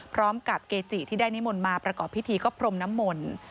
พร้อมกับเกจีที่ได้นิมนต์มาประกอบพิธีก็พรมนาคม